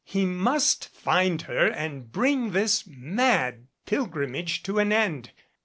He must find her and bring this mad pilgrimage to an end.